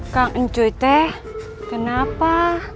kau njur teh kenapa